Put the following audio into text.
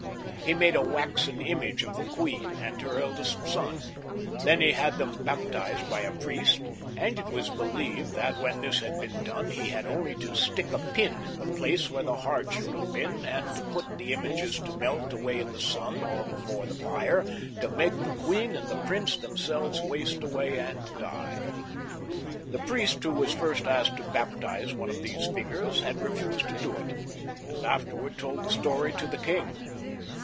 He made a waxen image of the queen and her eldest son ; then he had them baptized by a priest, and it was believed that when this had been done, he had only to stick a pin in the place where the heart should have been, and to put the images to melt away in the sun, or before the fire, to make the queen and the prince themselves waste away and die. The priest who was first asked to baptize one of these figures had refused to do it, and afterwards told the story to the king.